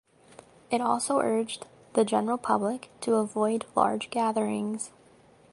It also urged the general public to avoid large gatherings.